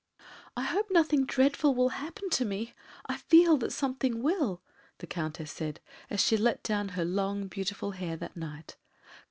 "I hope nothing dreadful will happen to me; I feel that something will," the Countess said, as she let down her long beautiful hair that night.